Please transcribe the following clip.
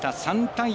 ３対０。